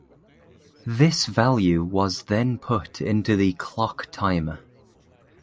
This value was then put into the clock timer.